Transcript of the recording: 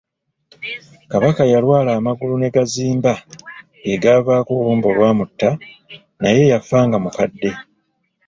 Kabaka yalwala amagulu ne gazimba, ge gaavaako olumbe olwamutta, naye yafa nga mukadde.